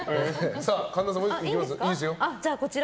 神田さん、もう１個いきますか。